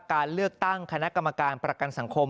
การเลือกตั้งคณะกรรมการประกันสังคม